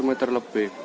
satu meter lebih